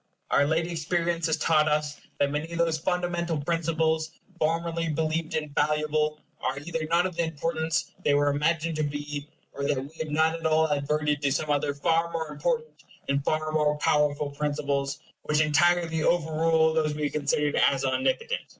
Our late experience has taught us that many of those fundamental principles, formerly believed infallible, are either not of the importance they were imagined to be, or that we have not at all adverted to some other far more important and far more powerful principles, which entirely overrule those we had considered as omnipotent.